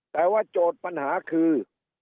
แต่ว่าโจทย์ปัญหาคือ